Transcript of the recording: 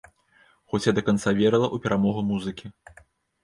Хоць я да канца верыла ў перамогу музыкі.